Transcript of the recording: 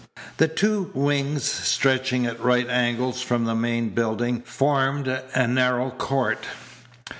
The two wings, stretching at right angles from the main building, formed a narrow court.